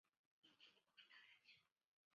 月眉糖厂铁道简介